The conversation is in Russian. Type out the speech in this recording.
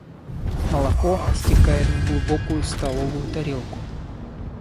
Молоко стекает в глубокую столовую тарелку.